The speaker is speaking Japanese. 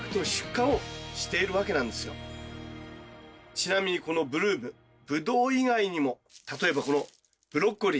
ちなみにこのブルームブドウ以外にも例えばこのブロッコリー。